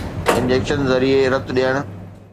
injection ذريعي رت ڏيڻ